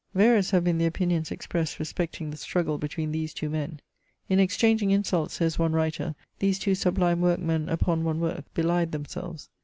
Various have been the opinions expressed respecting the struggle between these two men. " In exchangmg insult," says one writer, *' these two sublime workmen upon one work, belied themselves."